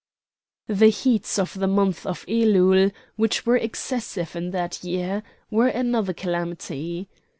The heats of the month of Eloul, which were excessive in that year, were another calamity.